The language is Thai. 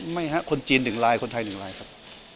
ไม่ฮะคนจีน๑ลายคนไทย๑ลายครับ